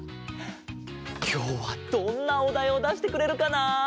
きょうはどんなおだいをだしてくれるかな？